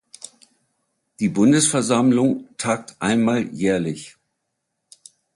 Die Bundesversammlung tagt einmal jährlich.